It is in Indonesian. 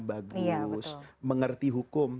bagus mengerti hukum